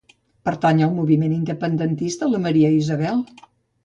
Pertany al moviment independentista la Maria Isabel?